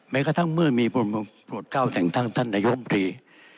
แม้กระทั่งเมื่อมีปรวจก้าวแห่งทางท่านนโยมพลี